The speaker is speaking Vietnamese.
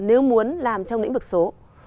nếu muốn làm trong lĩnh vực số